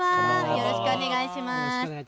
よろしくお願いします。